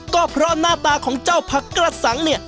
ก็เพราะหน้าตาของเจ้าผักกระสังเนี่ย